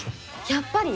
やっぱり。